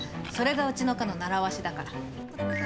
それがうちの課のならわしだから。